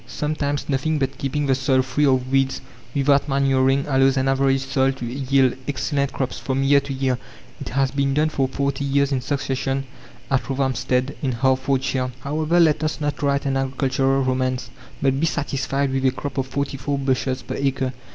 Sometimes nothing but keeping the soil free of weeds, without manuring, allows an average soil to yield excellent crops from year to year. It has been done for forty years in succession at Rothamstead, in Hertfordshire. However, let us not write an agricultural romance, but be satisfied with a crop of 44 bushels per acre.